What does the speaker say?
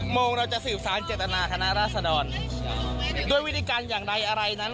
โมงเราจะสืบสารเจตนาคณะราษดรโดยวิธีการอย่างไรอะไรนั้น